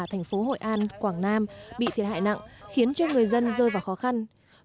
thành phố hội an quảng nam bị thiệt hại nặng khiến cho người dân rơi vào khó khăn